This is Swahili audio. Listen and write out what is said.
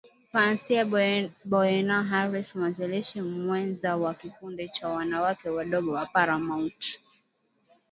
Facia Boyenoh Harris mwanzilishi mwenza wa kikundi cha wanawake wadogo wa Paramount